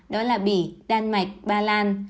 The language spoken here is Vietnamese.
đó là bỉ đan mạch ba lan